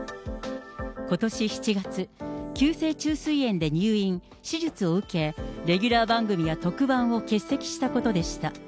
ことし７月、急性虫垂炎で入院・手術を受け、レギュラー番組や特番を欠席したことでした。